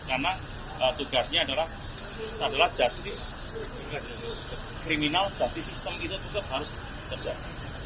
karena tugasnya adalah adalah justice criminal justice system itu tetap harus terjadi